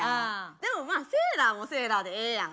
でもまあセーラーもセーラーでええやん。